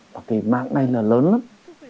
và cái mạng này là lớn lắm